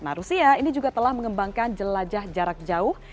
nah rusia ini juga telah mengembangkan jelajah jarak jauh